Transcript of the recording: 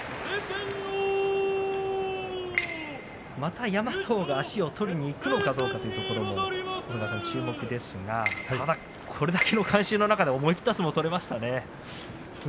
また山藤が足を取りにいくのかどうかというところも注目ですがただ、これだけの観衆の中で思い切った相撲を取りましたね。